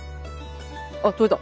あっ採れた。